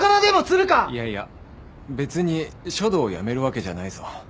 いやいや別に書道をやめるわけじゃないぞ。